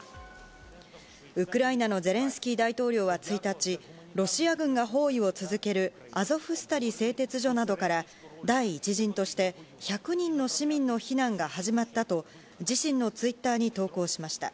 ウクライナのゼレンスキー大統領は１日、ロシア軍が包囲を続けるアゾフスタリ製鉄所などから第１陣として１００人の市民の避難が始まったと、自身のツイッターに投稿しました。